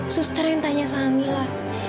suster yang tanya sama mila